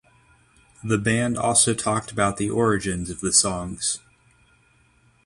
The band also talked about the origins of the songs.